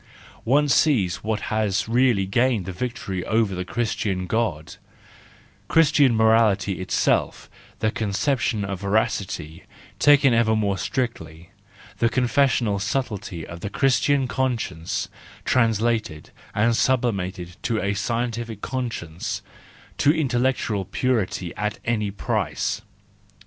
... One sees what has really gained the victory over the Christian God—, Christian morality itself, the conception of veracity, taken ever more strictly, the confessional subtlety of the Christian conscience, translated and sub^ limated to the scientific conscience, to intellectual purity at any price.